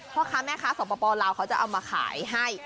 พ่อค้าแม่ค้าสปลาวเขาจะเอามาขายให้